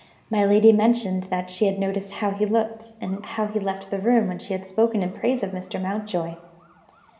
My lady mentioned that she had noticed how he looked, and how he left the room, when she had spoken in praise of Mr. Mountjoy.